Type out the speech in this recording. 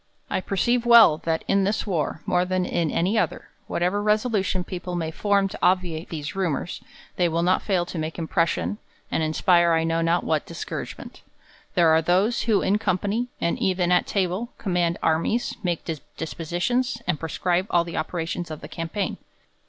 I perceive well, that in this war, more than in any other, whatever resolution people may form to obviate these rumours, they will not fail to make impression, and inspire I know^ not what discouragement. There are those, who in company, and even at table, com mand armies, make dispositions, and prescribe all the operations of the campaign.